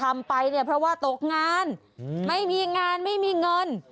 บอกว่าที่ทำเพราะว่าตกงานไม่มีงานไม่มีเงิน